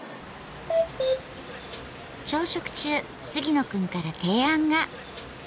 朝食中杉野くんから提案が。